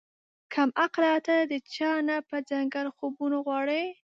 کم عقله تۀ د چا نه پۀ څنګل خوبونه غواړې